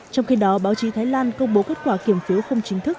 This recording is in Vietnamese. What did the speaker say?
trong khi đó báo chí thái lan công bố kết quả kiểm phiếu không chính thức